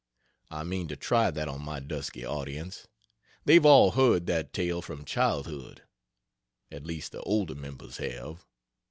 I mean to try that on my dusky audience. They've all heard that tale from childhood at least the older members have.